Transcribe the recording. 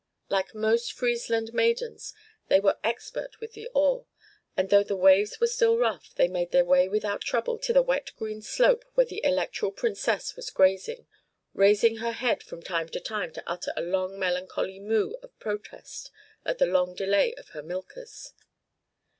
Like most Friesland maidens, they were expert with the oar, and, though the waves were still rough, they made their way without trouble to the wet green slope where the Electoral Princess was grazing, raising her head from time to time to utter a long melancholy moo of protest at the long delay of her milkers.